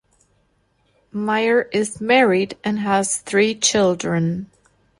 Meyer is married and has three children.